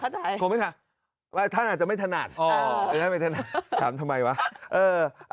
เข้าใจโคมิค่ะท่านอาจจะไม่ถนัดอ่อไม่ถนัดถามทำไมวะเออ